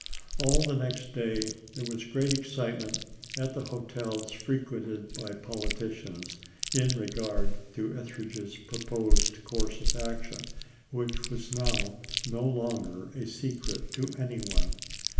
All the next day there was great ex citement at the hotels frequented by politicians, in regard to Etheridge's proposed course of action, which was now no longer a secret to any one.